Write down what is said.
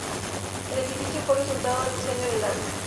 El edificio fue resultado del diseño del Arq.